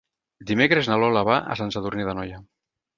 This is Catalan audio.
Dimecres na Lola va a Sant Sadurní d'Anoia.